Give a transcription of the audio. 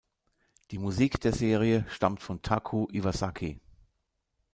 Die Musik der Serie stammt von Taku Iwasaki.